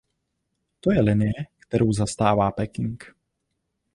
To je linie, kterou zastává Peking.